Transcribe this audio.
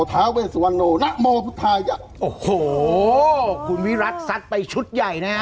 ท้าเวสวรรณโลนโมพุทธายะโอ้โหคุณวิรัติซัดไปชุดใหญ่นะฮะ